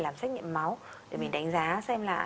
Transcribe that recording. làm xét nghiệm máu để mình đánh giá xem là